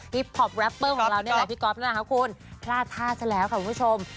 พอปแรปเปอร์ของเรานี่แหละพี่ก๊อฟนะคะคุณพลาดท่าซะแล้วค่ะคุณผู้ชม